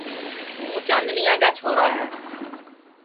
ہوں چاندنیا کا چھورا ہے